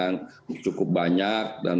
dan berkualitas dan cukup berkualitas